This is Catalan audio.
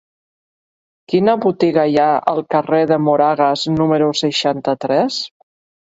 Quina botiga hi ha al carrer de Moragas número seixanta-tres?